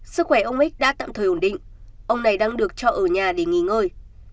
sức khỏe ông ích đã tạm thời ổn định ông này đang được cho ở nhà để nghỉ ngơi